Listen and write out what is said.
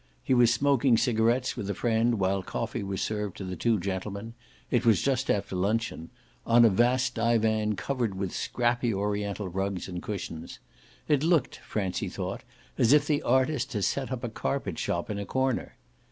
He was smoking cigarettes with a friend while coffee was served to the two gentlemen it was just after luncheon on a vast divan covered with scrappy oriental rugs and cushions; it looked, Francie thought, as if the artist had set up a carpet shop in a corner.